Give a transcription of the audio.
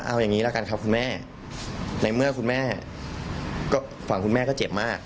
เอาอย่างนี้ละกันครับคุณแม่ในเมื่อคุณแม่ฝั่งคุณแม่ก็เจ็บมาก